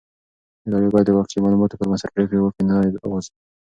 ادارې بايد د واقعي معلوماتو پر بنسټ پرېکړې وکړي نه د اوازې.